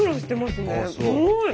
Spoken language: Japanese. すごい！